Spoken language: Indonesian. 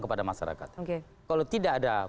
kepada masyarakat oke kalau tidak ada